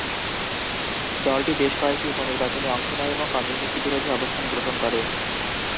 দলটি বেশ কয়েকটি উপনির্বাচনে অংশ নেয় এবং কমিউনিস্ট বিরোধী অবস্থান গ্রহণ করে।